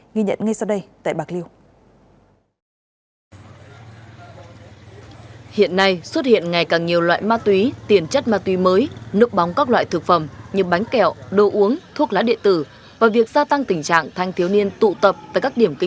nghi nhận ngay sau đây tại bạc liêu